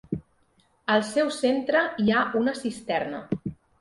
Al seu centre hi ha una cisterna.